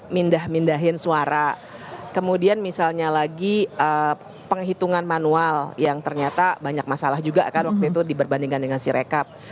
mindah mindahin suara kemudian misalnya lagi penghitungan manual yang ternyata banyak masalah juga kan waktu itu diperbandingkan dengan sirekap